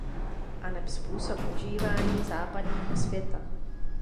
Aneb způsob užívání „západního světa“.